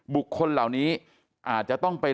บุคคลเหล่านี้อาจจะต้องไป